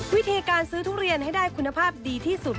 วิธีการซื้อทุเรียนให้ได้คุณภาพดีที่สุด